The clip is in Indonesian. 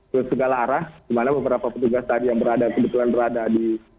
ke segala arah di mana beberapa petugas tadi yang berada kebetulan berada di